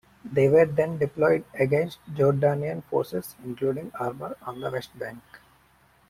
They were then deployed against Jordanian forces, including armour, on the West Bank.